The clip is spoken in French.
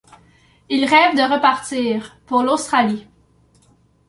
Il rêve de repartir, pour l'Australie.